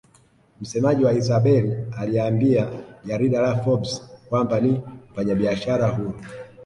Msemaji wa Isabel aliambia jarida la Forbes kwamba ni mfanyabiashara huru